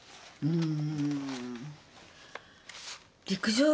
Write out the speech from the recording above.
うん。